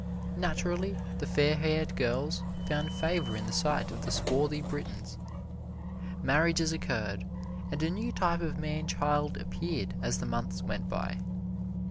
Naturally the fair haired girls found favor in the sight of the swarthy Britons. Marriages occurred, and a new type of man child appeared as the months went by.